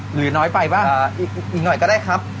หรือน้อยไปบ้างอีกหน่อยก็ได้ครับ